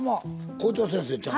校長先生ちゃうの？